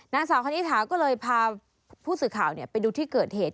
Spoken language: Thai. นางสาวคณิตถาก็เลยพาผู้สื่อข่าวไปดูที่เกิดเหตุ